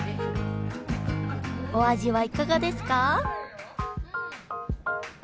お味はいかがですか？